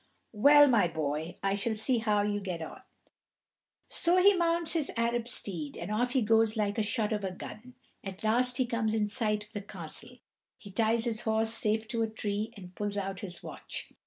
"Well, my boy, I shall see how you will get on." So he mounts his Arab steed, and off he goes like a shot out of a gun. At last he comes in sight of the castle. He ties his horse safe to a tree, and pulls out his watch.